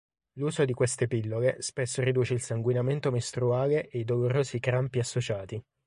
L'uso di queste pillole spesso riduce il sanguinamento mestruale e i dolorosi crampi associati.